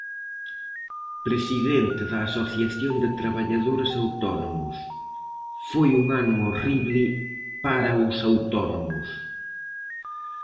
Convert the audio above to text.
Presidente da Asociación de Traballadores Autónomos: Foi un ano horrible para os autónomos.